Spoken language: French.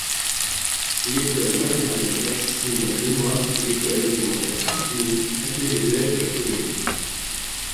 L'école maternelle Maxime Lenoir et l'école élémentaire Artigny accueillent les élèves de la commune.